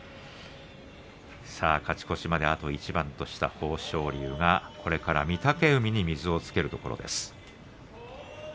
勝ち越しまであと一番とした豊昇龍、これから御嶽海に水をつけるところです。